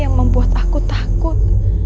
yang membuat aku takut